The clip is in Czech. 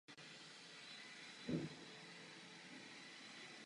Násilné potlačování mírových demonstrací nesmí být tolerováno.